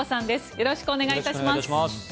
よろしくお願いします。